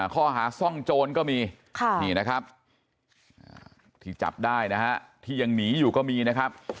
ข้อหาซ่องโจรก็มีนี่นะครับที่จับได้นะฮะที่ยังหนีอยู่ก็มีนะครับ